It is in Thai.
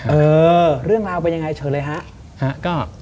เออเรื่องราวเป็นยังไงเชิญเลยฮะ